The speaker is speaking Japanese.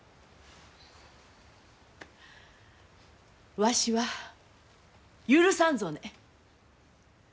わしは許さんぞね。